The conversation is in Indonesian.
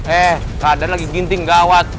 eh keadaan lagi ginting gak awet